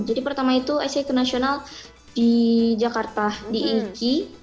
jadi pertama itu aisyah ikut nasional di jakarta di iki